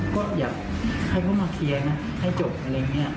ก็อยากให้เขามาเคลียร์นะให้จบอะไรอย่างนี้